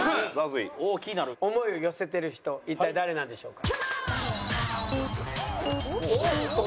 思いを寄せてる人一体誰なんでしょうか？